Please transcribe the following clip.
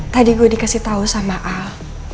tadi gue dikasih tahu sama al